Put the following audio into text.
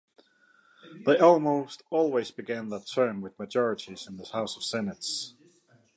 They almost always began their term with majorities in the House and Senate.